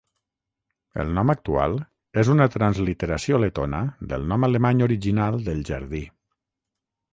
El nom actual és una transliteració letona del nom alemany original del jardí.